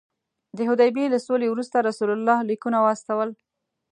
د حدیبیې له سولې وروسته رسول الله لیکونه واستول.